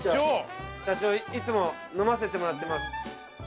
社長いつも飲ませてもらってます。